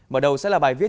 mở đầu sẽ là bài viết